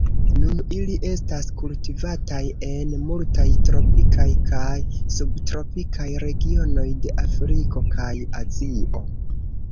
Nun ili estas kultivataj en multaj tropikaj kaj subtropikaj regionoj de Afriko kaj Azio.